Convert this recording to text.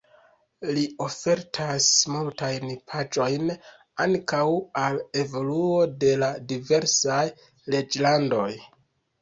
Li ofertas multajn paĝojn ankaŭ al evoluo de la diversaj reĝlandoj.